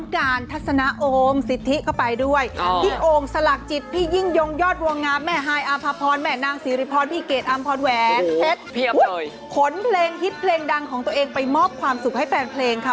เพลงฮิตเพลงดังของตัวเองไปมอบความสุขให้แฟนเพลงค่ะ